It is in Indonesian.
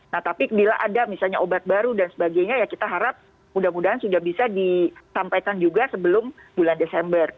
nah tapi bila ada misalnya obat baru dan sebagainya ya kita harap mudah mudahan sudah bisa disampaikan juga sebelum bulan desember